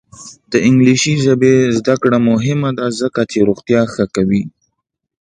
د انګلیسي ژبې زده کړه مهمه ده ځکه چې روغتیا ښه کوي.